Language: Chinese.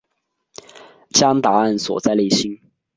将答案锁在内心